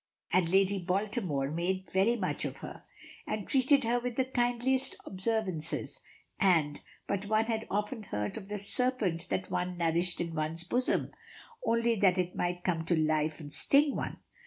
And Lady Baltimore made very much of her, and treated her with the kindliest observances, and But one had often heard of the serpent that one nourished in one's bosom only that it might come to life and sting one!